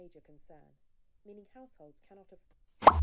hẹn gặp lại các bạn trong những video tiếp theo